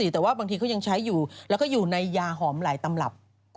แต่ว่าบางทีเขายังใช้อยู่แล้วก็อยู่ในยาหอมหลายตำรับ